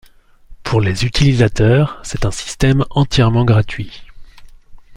Pour les utilisateurs, c’est un système entièrement gratuit.